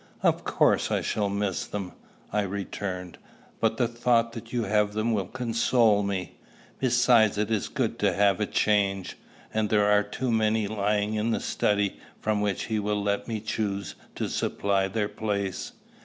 "Of course I shall miss them," I returned; "but the thought that you have them will console me. Besides, it is good to have a change; and there are only too many lying in the study, from which he will let me choose to supply their place."